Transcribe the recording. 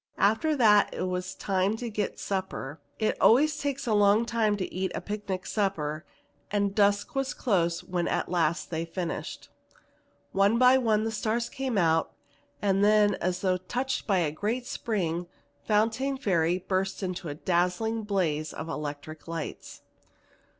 After that it was time to get supper. It always takes a long time to eat a picnic supper, and dusk was close when at last they finished. One by one the stars came out and then as though touched by a great spring, Fontaine Ferry burst into a dazzling blaze of electric lights.